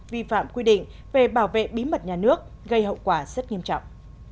vi phạm quy định về bảo vệ bí mật nhà nước gây hậu quả rất nghiêm trọng